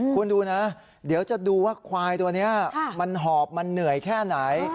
คุณดูนะเดี๋ยวจะดูว่าควายตัวนี้มันหอบมันเหนื่อยแค่ไหน